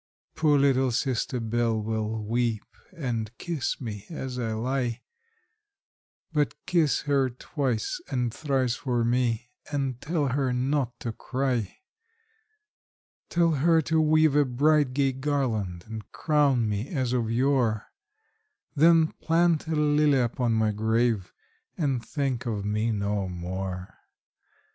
Poor little sister 'Bell will weep, and kiss me as I lie; But kiss her twice and thrice for me, and tell her not to cry; Tell her to weave a bright, gay garland, and crown me as of yore, Then plant a lily upon my grave, and think of me no more.